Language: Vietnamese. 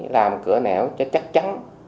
làm cửa nẻo cho chắc chắn